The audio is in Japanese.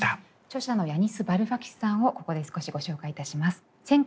著者のヤニス・バルファキスさんをここで少しご紹介いたします。